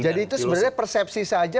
jadi itu sebenarnya persepsi saja